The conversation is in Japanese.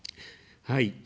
はい。